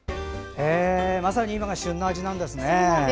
まさに今が旬の味なんですね。